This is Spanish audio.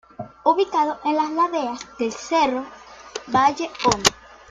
Ubicado en las laderas del cerro Valle Hondo.